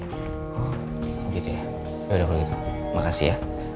oh gitu ya ya udah kalau gitu makasih ya